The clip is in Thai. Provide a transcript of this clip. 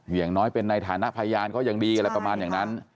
อย่างน้อยเป็นในฐานะพยานก็ยังดีอะไรประมาณอย่างนั้น